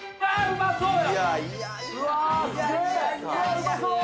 うまそう！